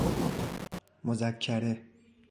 مذکره